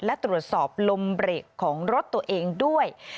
และตรวจสอบลมเบรกของรถตัวเองด้วย